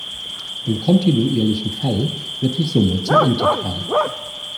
Im kontinuierlichen Fall wird die Summe zum Integral.